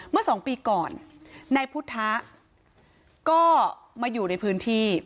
เมื่อสองปีก่อนนายพุทธะก็มาอยู่ในพื้นที่